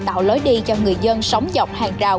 tạo lối đi cho người dân sống dọc hàng rào